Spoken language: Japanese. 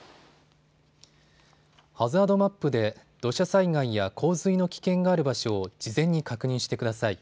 ハザードマップで土砂災害や洪水の危険がある場所を事前に確認してください。